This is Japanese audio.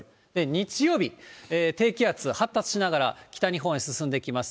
日曜日、低気圧、発達しながら北日本へ進んできます。